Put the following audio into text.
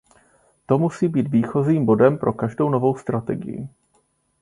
To musí být výchozím bodem pro každou novou strategii.